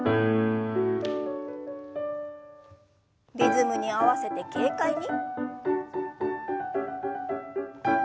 リズムに合わせて軽快に。